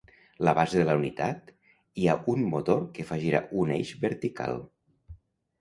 La base de la unitat hi ha un motor que fa girar un eix vertical.